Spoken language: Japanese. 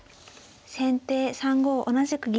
先手３五同じく銀。